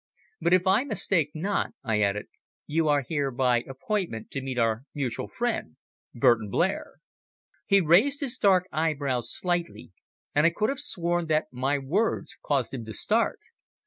But if I mistake not," I added, "you are here by appointment to meet our mutual friend, Burton Blair." He raised his dark eyebrows slightly, and I could have sworn that my words caused him to start.